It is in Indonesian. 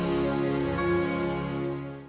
terima kasih at nie